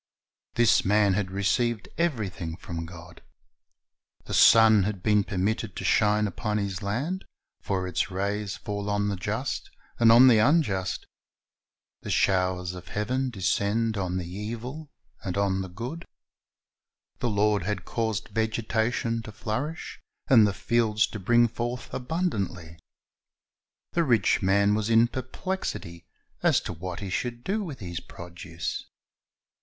This man had received everything from God. The sun had been permitted to shine upon his land; for its rays fall on the just and on the unjust. The showers of heaven descend on the evil and on the good. The Lord had caused vegetation to flourish, and the fields to bring forth abundantly. The rich man was in perplexity as to what he should do with his produce.